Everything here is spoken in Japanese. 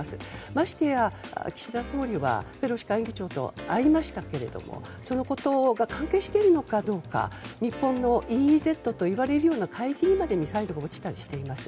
ましてや、岸田総理はペロシ下院議長と会いましたけれども、そのことが関係しているのかどうか日本のＥＥＺといわれるような海域にまでミサイルが落ちたりしています。